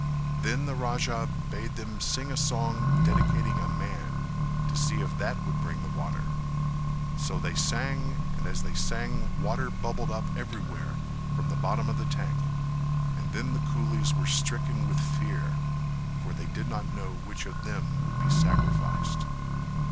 Then the Raja bade them sing a song dedicating a man, to see if that would bring the water; so they sang and as they sang water bubbled up everywhere from the bottom of the tank and then the coolies were stricken with fear for they did not know which of them would be sacrificed.